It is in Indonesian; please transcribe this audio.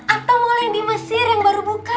ah atau mal yang di mesir yang baru buka